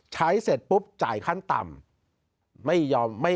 ใช้เสร็จปุ๊บจ่ายขั้นต่ำ